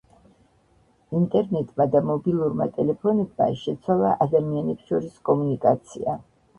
ინტერნეტმა და მობილურმა ტელეფონებმა შეცვალა ადამიანებს შორის კომუნიკაცია.